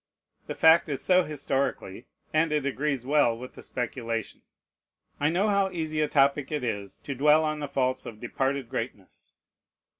The fact is so historically, and it agrees well with the speculation. I know how easy a topic it is to dwell on the faults of departed greatness.